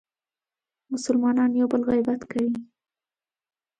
مسلمانان یو بل غیبت کوي.